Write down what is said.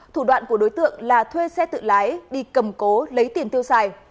thủ đoạn của đối tượng là thuê xe tự lái đi cầm cố lấy tiền tiêu xài